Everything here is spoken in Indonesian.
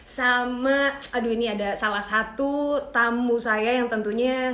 sama aduh ini ada salah satu tamu saya yang tentunya